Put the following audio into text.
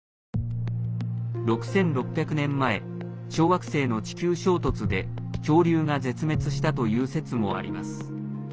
６６００年前小惑星の地球衝突で恐竜が絶滅したという説もあります。